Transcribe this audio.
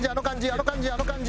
あの感じあの感じ！